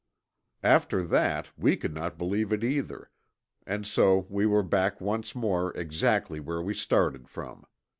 After that we could not believe it either, and so we were back once more exactly where we started from.